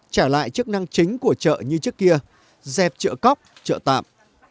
trả lại chức năng chính của chợ như trước kia dẹp chợ cóc chợ tạm